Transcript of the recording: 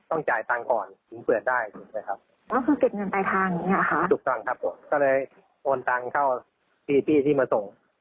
โอนทางเข้าพี่เห็นพี่ที่มาส่ง